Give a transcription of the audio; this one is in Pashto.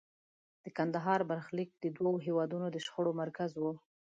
د کندهار برخلیک د دوو هېوادونو د شخړو مرکز و.